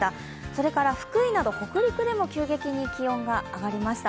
それから福井など北陸でも急激に気温が上がりました。